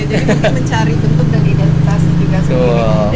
jadi mencari bentuk dan identitas juga sendiri